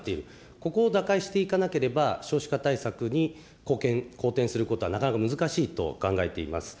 ここを打開していかなければ少子化対策に貢献、好転することはなかなか難しいと考えています。